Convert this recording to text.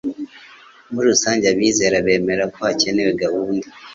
muri rusange abizera bemere ko hakenewe gahunda